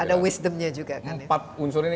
ada wisdomnya juga kan unsur ini